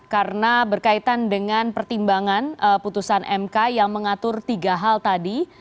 karena berkaitan dengan pertimbangan putusan mk yang mengatur tiga hal tadi